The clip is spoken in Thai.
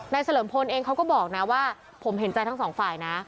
เฉลิมพลเองเขาก็บอกนะว่าผมเห็นใจทั้งสองฝ่ายนะ